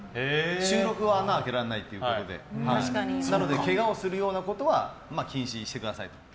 収録は穴を開けられないということでなのでけがをするようなことは禁止にしてくださいと。